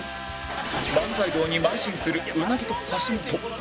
漫才道にまい進する鰻と橋本